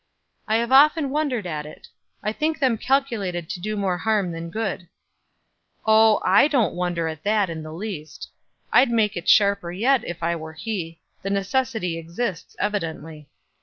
"I have often wondered at it. I think them calculated to do more harm than good." "Oh I don't wonder at it in the least. I'd make it sharper yet if I were he; the necessity exists evidently.